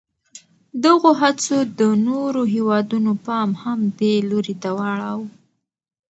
دغو هڅو د نورو هېوادونو پام هم دې لوري ته واړاوه.